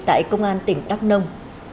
tại công an tỉnh đắk nông